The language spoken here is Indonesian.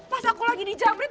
pas aku lagi di jamret